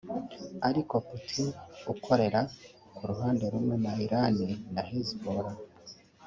ariko Putin ukorera ku ruhande rumwe na Iran na Hezbollah